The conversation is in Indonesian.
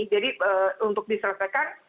jadi untuk diselesaikan